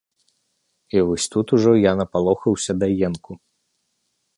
І вось тут ужо я напалохаўся да енку.